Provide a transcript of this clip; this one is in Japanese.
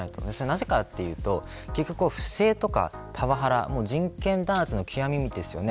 なぜかというと結局、不正とかパワハラ人権弾圧のきわみですよね。